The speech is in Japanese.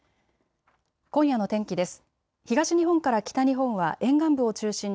今夜の天気です。